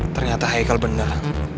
ternyata heikal benar